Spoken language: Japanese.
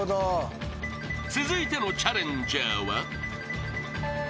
［続いてのチャレンジャーは］